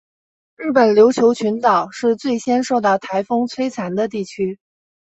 日本琉球群岛是最先受到台风摧残的地区。